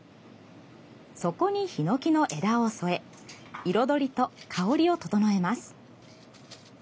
そこに、ひのきの枝を添え彩りと香りを調えます。